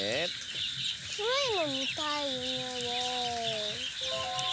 スイのみたいゆめは。